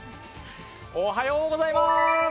おはようございます。